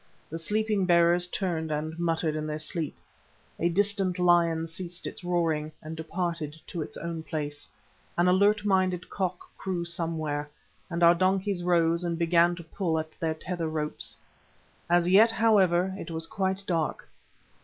The sleeping bearers turned and muttered in their sleep, a distant lion ceased its roaring and departed to its own place, an alert minded cock crew somewhere, and our donkeys rose and began to pull at their tether ropes. As yet, however, it was quite dark.